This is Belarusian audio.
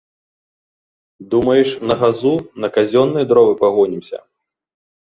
Думаеш, на газу, на казённыя дровы пагонімся?